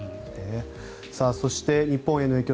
そして、日本への影響